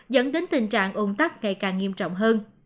dẫn đến tình trạng ôn tắc ngày càng nghiêm trọng hơn